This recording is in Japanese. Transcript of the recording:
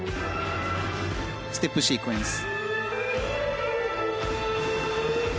ステップシークエンス。